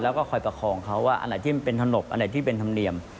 แล้วก็คอยประคองเขาว่าอันไหนที่มันเป็นถนกอันไหนที่เป็นธรรมเนียม